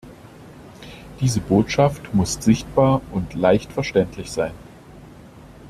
Diese Botschaft muss sichtbar und leicht verständlich sein.